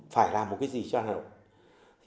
phải làm một cái gì cho hà nội